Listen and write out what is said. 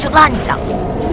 seseorang yang mooi